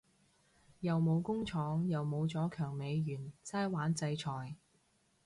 又冇工廠又冇咗強美元齋玩制裁